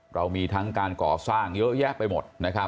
เรามีทั้งการก่อสร้างเยอะแยะไปหมดนะครับ